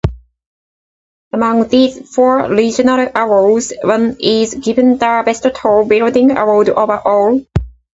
Among these four regional awards, one is given the Best Tall Building Award Overall.